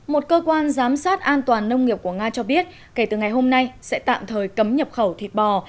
một cơ quan giám sát an toàn nông nghiệp của nga cho biết kể từ ngày hôm nay sẽ tạm thời cấm nhập khẩu thịt bò